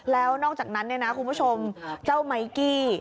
แล้วนอกจากนั้นคุณผู้ชมเจ้าไมค์กี้